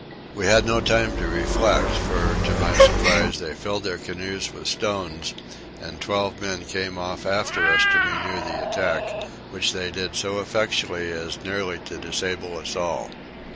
We had no time to reflect for to my surprise they filled their canoes with stones, and twelve men came off after us to renew the attack, which they did so effectually as nearly to disable us all.